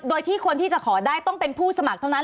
โดยที่คนที่จะขอได้ต้องเป็นผู้สมัครเท่านั้น